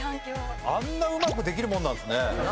あんなうまくできるもんなんですね。